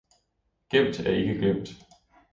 Gemt er ikke glemt